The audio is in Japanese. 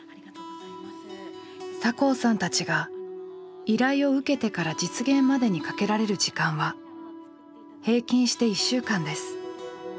酒匂さんたちが依頼を受けてから実現までにかけられる時間は平均して１週間です。